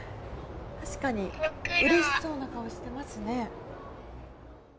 確かにうれしそうな顔をしていますね。